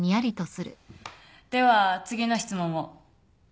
では次の質問を。